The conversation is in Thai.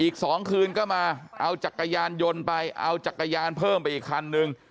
อีก๒คืนก็มาเอาจักรยานยนต์ไปเอาจักรยานเพิ่มไปอีกคันนึง